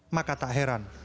maka tak heran